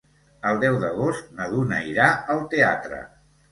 El deu d'agost na Duna irà al teatre.